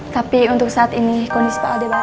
tapi untuk saat ini kondisi pak aldebaran